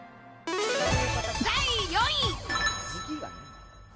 第４位。